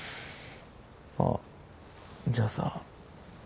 あっじゃあさ